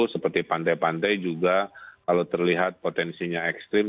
seperti pantai pantai juga kalau terlihat potensinya ekstrim